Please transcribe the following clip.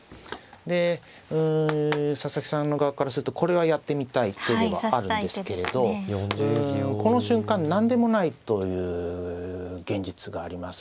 で佐々木さんの側からするとこれはやってみたい手ではあるんですけれどこの瞬間何でもないという現実があります。